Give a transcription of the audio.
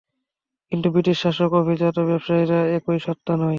কিন্তু ব্রিটিশ শাসক অভিজাত ও ব্যবসায়ীরা একই সত্তা নয়।